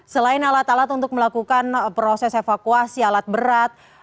selain alat alat untuk melakukan proses evakuasi alat berat